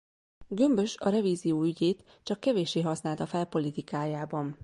Gömbös a revízió ügyét csak kevéssé használta fel politikájában.